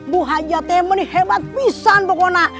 bu haji kostin ini hebat bisa pokoknya